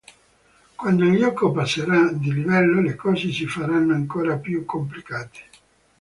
Quando il gioco passerà di livello le cose si faranno ancora più complicate.